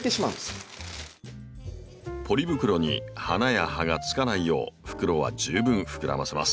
ポリ袋に葉や花がつかないよう袋は十分膨らませます。